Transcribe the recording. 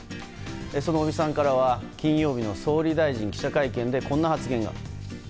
その尾身さんからは金曜日の総理大臣記者会見でこんな発言が。